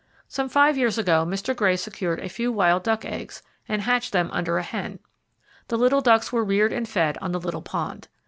Some five years ago, Mr. Gray secured a few wild duck eggs, and hatched them under a hen. The little ducks were reared and fed on the little pond.